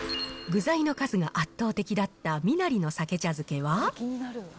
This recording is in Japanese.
具材の数が圧倒的だったみなりの鮭茶漬けは。